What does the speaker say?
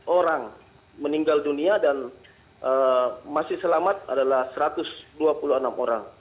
dua puluh orang meninggal dunia dan masih selamat adalah satu ratus dua puluh enam orang